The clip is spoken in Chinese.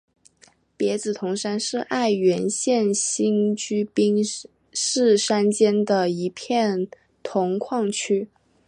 别子铜山是爱媛县新居滨市山间的一片铜矿区。